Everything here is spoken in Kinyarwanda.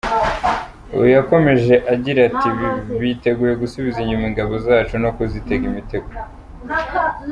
Uyu yakomeje agira ati: “Biteguye gusubiza inyuma ingabo zacu no kuzitega imitego.